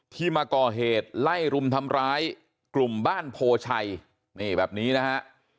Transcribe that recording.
ที่มาก่อเหตุไล่รุมทำร้ายกลุ่มบ้านโพชัยนี่แบบนี้นะฮะ